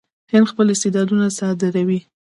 هند خپل استعدادونه صادروي.